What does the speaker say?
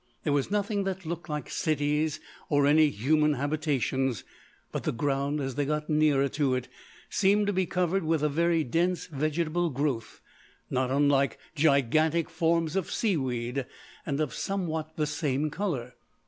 There was nothing that looked like cities, or any human habitations, but the ground, as they got nearer to it, seemed to be covered with a very dense vegetable growth, not unlike gigantic forms of seaweed, and of somewhat the same colour.